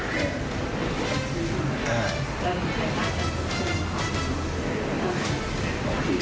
คือแหละ